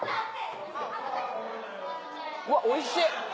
うわっおいしい。